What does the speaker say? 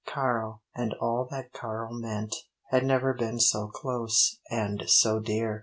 Karl, and all that Karl meant, had never been so close, and so dear.